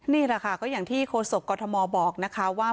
นี่แหละค่ะก็อย่างที่โฆษกกรทมบอกนะคะว่า